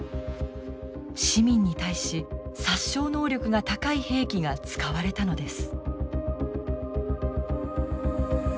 市民に対し殺傷能力が高い兵器が使われたのです。